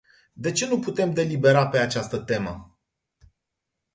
De ce nu putem delibera pe această temă?